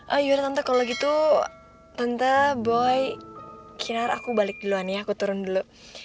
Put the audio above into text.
ayo tante kalau gitu tante boy kinar aku balik duluan ya aku turun dulu